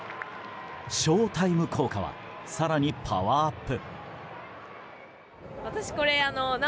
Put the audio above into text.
ショウタイム効果は更にパワーアップ。